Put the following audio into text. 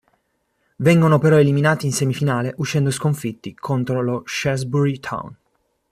Vengono però eliminati in semifinale, uscendo sconfitti contro lo Shrewsbury Town.